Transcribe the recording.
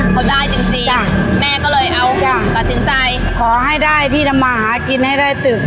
เขาได้จริงแม่ก็เลยเอาจ้ะตัดสินใจขอให้ได้ที่ทำมาหากินให้ได้ตึก